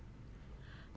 ngoài nó cạn có estado